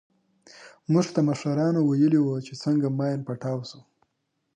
موږ ته مشرانو ويلي وو چې څنگه ماين پټاو سو.